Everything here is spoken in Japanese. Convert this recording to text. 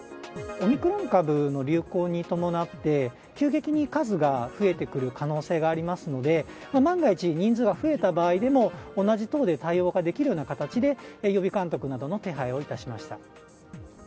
オミクロン株の流行に伴って、急激に数が増えてくる可能性がありますので、万が一、人数が増えた場合でも、同じ棟で対応ができるような形で、予備監督などの手配をいたしました。